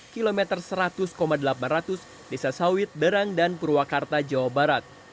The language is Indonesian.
kilometer seratus delapan ratus desa sawit derang dan purwakarta jawa barat